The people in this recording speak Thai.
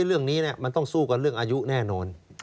เรื่องนี้มันต้องสู้กับเรื่องอายุแน่นอน